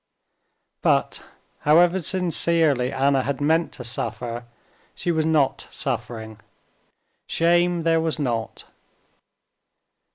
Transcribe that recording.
But, however sincerely Anna had meant to suffer, she was not suffering. Shame there was not.